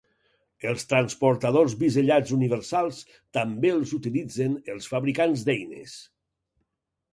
Els transportadors bisellats universals també els utilitzen els fabricants d'eines.